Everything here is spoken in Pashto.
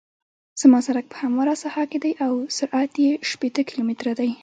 زما سرک په همواره ساحه کې دی او سرعت یې شپیته کیلومتره دی